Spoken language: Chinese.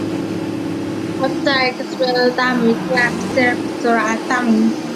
冈部长盛是日本战国时代至江户时代前期武将和大名。